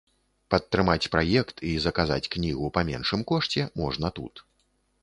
Падтрымаць праект і заказаць кнігу па меншым кошце можна тут.